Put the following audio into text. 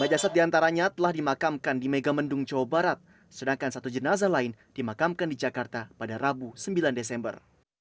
lima jasad diantaranya telah dimakamkan di megamendung jawa barat sedangkan satu jenazah lain dimakamkan di jakarta pada rabu sembilan desember